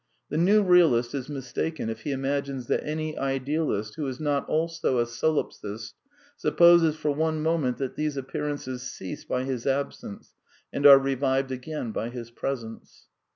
The new realist is mistaken if he imagines that any idealist, who is not also a solipsist, supposes for one moment that these appearances cease by his absence and are revived again by his presence.